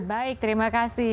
baik terima kasih